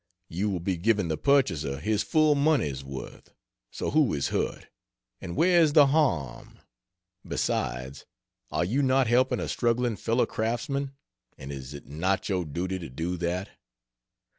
You will be giving the purchaser his full money's worth; so who is hurt, and where is the harm? Besides, are you not helping a struggling fellow craftsman, and is it not your duty to do that?